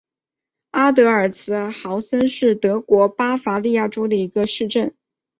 阿德尔茨豪森是德国巴伐利亚州的一个市镇。